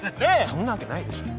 そんなわけないでしょ。